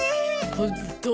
ホント。